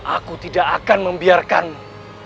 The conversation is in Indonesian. aku tidak akan membiarkanmu